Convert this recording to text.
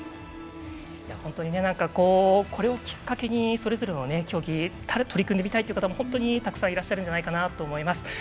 本当に、これをきっかけにそれぞれの競技に取り組んでみたいという方も本当にたくさんいらっしゃると思います。